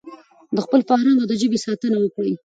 د خپل فرهنګ او ژبې ساتنه وکړئ.